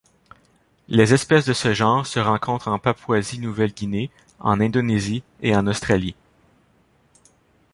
Les espèces de ce genre se rencontrent en Papouasie-Nouvelle-Guinée, en Indonésie et en Australie.